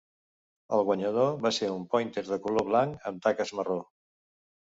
El guanyador va ser un pòinter de color blanc amb taques marró.